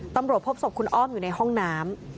ตำรวจพบศพคุณอ้อมอยู่ในห้องน้ำ